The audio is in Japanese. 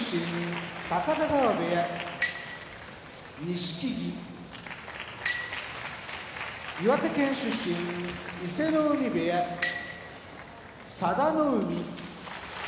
錦木岩手県出身伊勢ノ海部屋佐田の海